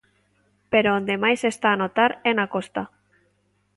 Pero onde máis se está a notar é na costa.